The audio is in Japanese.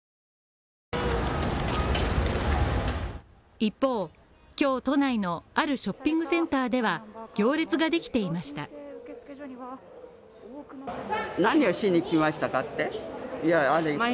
一方、今日都内のあるショッピングセンターでは行列ができていました。